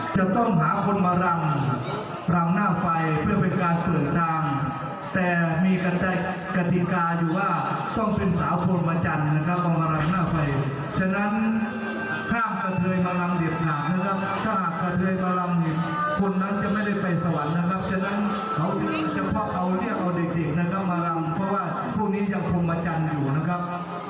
เฉพาะเขาเรียกว่าอดิติกมารำเพราะว่าพวกนี้ยังคงมาจันทร์อยู่นะครับ